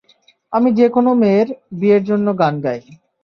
আমি যে কোনো মেয়ের, বিয়ের জন্য গান গাই।